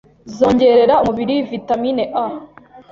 zongerera umubiri vitamin A